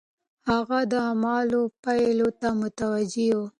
هغه د اعمالو پايلو ته متوجه و.